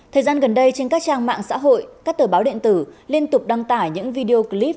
thời gian gần đây trên các trang mạng xã hội các tờ báo điện tử liên tục đăng tải những video clip